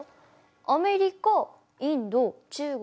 アメリカインド中国